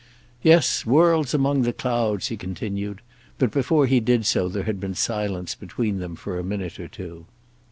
"Yes; worlds among the clouds," he continued; but before he did so there had been silence between them for a minute or two.